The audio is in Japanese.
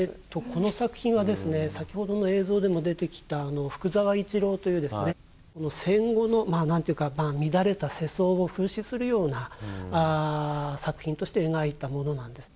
この作品はですね先ほどの映像でも出てきた福沢一郎というですね戦後のまあなんていうか乱れた世相を風刺するような作品として描いたものなんです。